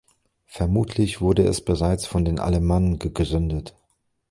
Vermutlich wurde es bereits von den Alemannen gegründet.